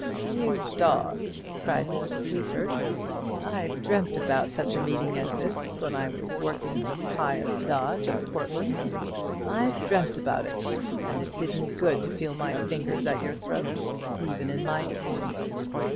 "You dog!" cried Mr. Sleaford, "I've dreamt about such a meeting as this when I was working the pious dodge at Portland. I've dreamt about it; and it did me good to feel my fingers at your throat, even in my dreams.